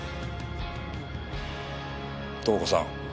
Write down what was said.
透子さん